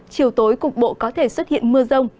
chiều tối cục bộ có thể xuất hiện mưa rông